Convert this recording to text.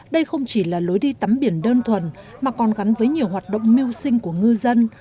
đây không chỉ là lối đi tắm biển đơn thuần mà còn gắn với nhiều hoạt động mưu sinh của ngư dân